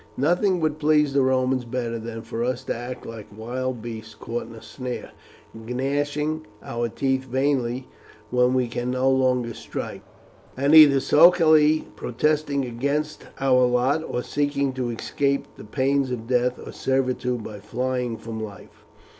"Nothing would please the Romans better than for us to act like wild beasts caught in a snare, gnashing our teeth vainly when we can no longer strike, and either sulkily protesting against our lot, or seeking to escape the pains of death or servitude by flying from life.